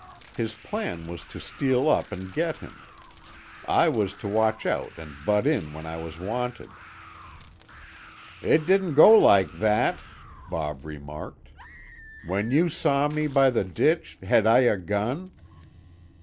His plan was to steal up and get him. I was to watch out and butt in when I was wanted." "It didn't go like that!" Bob remarked. "When you saw me by the ditch had I a gun?"